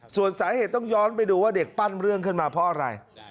ส่วนสาเหตุต้องย้อนไปดูว่าเด็กปั้นเรื่องขึ้นมาเพราะอะไร